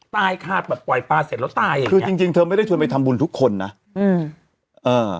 ตายค่ะแบบปล่อยปลาเสร็จแล้วตายอ่ะคือจริงจริงเธอไม่ได้ชวนไปทำบุญทุกคนนะอืมเอ่อ